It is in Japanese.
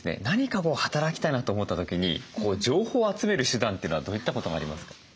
何か働きたいなと思った時に情報を集める手段というのはどういったことがありますか？